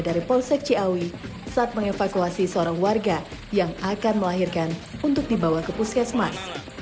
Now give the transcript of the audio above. dari polsek ciawi saat mengevakuasi seorang warga yang akan melahirkan untuk dibawa ke puskesmas